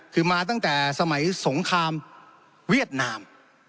คือมาตั้งแต่สมัยสงครามเวียดนาม